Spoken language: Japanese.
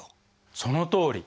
そのとおり。